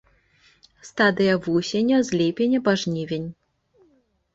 Стадыя вусеня з ліпеня па жнівень.